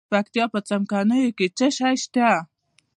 د پکتیا په څمکنیو کې څه شی شته؟